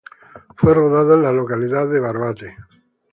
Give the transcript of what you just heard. Fue rodada en la localidad de Barbate.